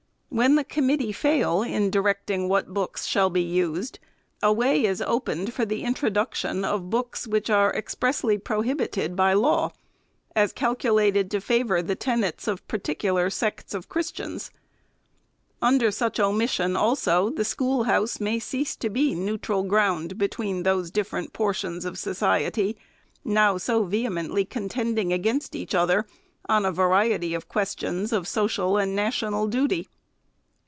When the committee fail in directing what books shall be used, a way is opened for the introduction of books which are 396 THE SECRETARY'S expressly prohibited by law, as " calculated to favor the tenets of particular sects of Christians." Under such omission, also, the schoolhouse may cease to be neutral ground between those different portions of society, now so vehemently contending against each other on a variety of questions of social and national duty.